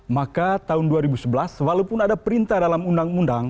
maka tahun dua ribu sebelas walaupun ada perintah dalam undang undang